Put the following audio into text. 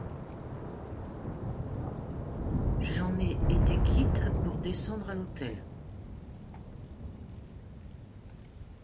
J'en ai été quitte pour descendre à l'hôtel.